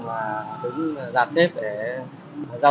và các bộ ngành khác